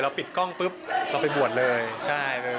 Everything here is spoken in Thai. ปิดกล้องปุ๊บเราไปบวชเลยใช่